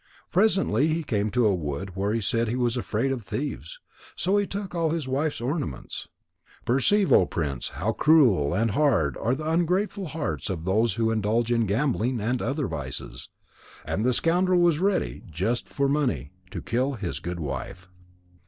Presently he came to a wood where he said he was afraid of thieves, so he took all his wife's ornaments. Perceive, O Prince, how cruel and hard are the ungrateful hearts of those who indulge in gambling and other vices. And the scoundrel was ready, just for money, to kill his good wife.